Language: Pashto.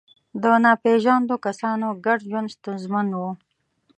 د ناپېژاندو کسانو ګډ ژوند ستونزمن و.